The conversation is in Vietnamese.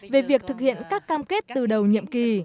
về việc thực hiện các cam kết từ đầu nhiệm kỳ